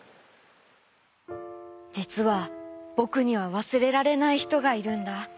「じつはぼくにはわすれられないひとがいるんだ。